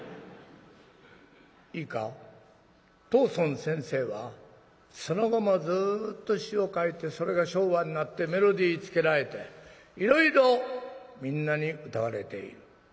いいか藤村先生はその後もずっと詩を書いてそれが昭和になってメロディーつけられていろいろみんなに歌われている。